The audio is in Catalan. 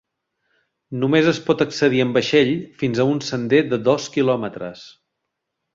Només es pot accedir amb vaixell fins a un sender de dos quilòmetres.